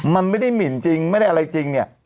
มันไม่ได้หมินจริงไม่ได้อะไรจริงเนี่ย